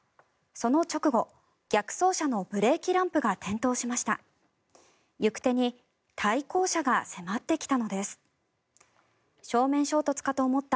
その直後、逆走車のブレーキランプが点灯しました。